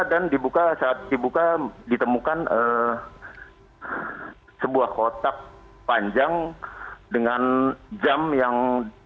dan saat dibuka ditemukan sebuah kotak panjang dengan jam yang